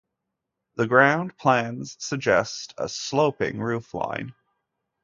The ground plans suggest a sloping roofline.